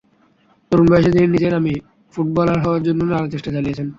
তরুণ বয়সে তিনি নিজেই নামি ফুটবলার হওয়ার জন্য নানা চেষ্টা চালিয়েছেন।